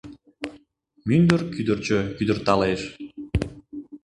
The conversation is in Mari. Мӱндыр кӱдырчӧ кӱдырталеш